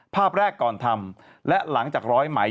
ภาพแรกก่อนทำและหลังจากร้อยไหม